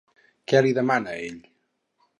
Què li demana ell?